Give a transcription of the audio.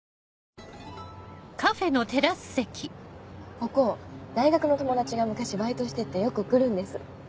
ここ大学の友達が昔バイトしててよく来るんです。